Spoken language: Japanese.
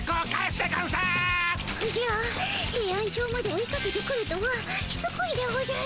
ヘイアンチョウまで追いかけてくるとはしつこいでおじゃる。